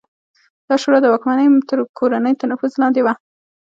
دا شورا د واکمنې کورنۍ تر نفوذ لاندې وه